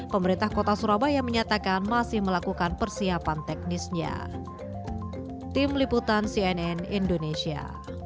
pemerintah kota surabaya menyatakan masih melakukan persiapan teknisnya